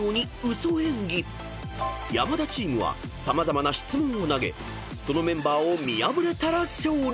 ［山田チームは様々な質問を投げそのメンバーを見破れたら勝利］